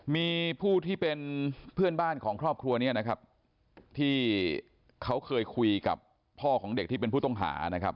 มีผู้ที่เป็นเพื่อนบ้านของครอบครัวนี้นะครับที่เขาเคยคุยกับพ่อของเด็กที่เป็นผู้ต้องหานะครับ